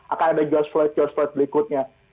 akan ada george floyd george floyd berikutnya